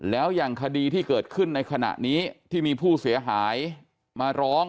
แล้วอย่างคดีที่เกิดขึ้นในขณะนี้ที่มีผู้เสียหายมาร้อง